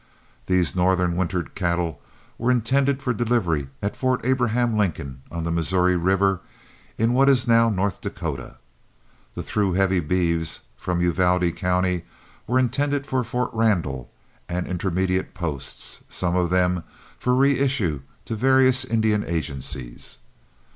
These northern wintered cattle were intended for delivery at Fort Abraham Lincoln on the Missouri River in what is now North Dakota. The through heavy beeves from Uvalde County were intended for Fort Randall and intermediate posts, some of them for reissue to various Indian agencies.